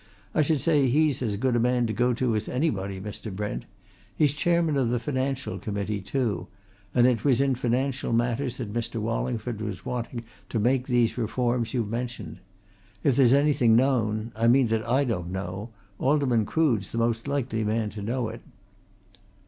"I should say he's as good a man to go to as anybody, Mr. Brent. He's chairman of the Financial Committee too; and it was in financial matters that Mr. Wallingford was wanting to make these reforms you've mentioned. If there's anything known I mean that I don't know Alderman Crood's the most likely man to know it."